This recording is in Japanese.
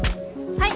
はい。